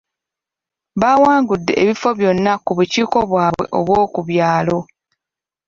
Baawangude ebifo byonna ku bukiiko bwabwe obw’oku byalo.